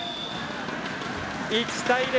１対０。